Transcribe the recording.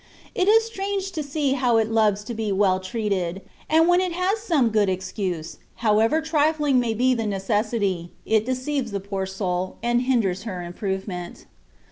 It is strange to see how it loves to be well treated ; and when it has some good excuse, however trifling may be the necessity, it deceives the poor soul, and hinders her improvement.